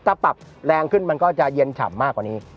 ถ้าปรับแรงขึ้นมันก็จะเย็นฉ่ำมากกว่านี้